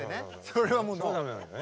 それは駄目なのね。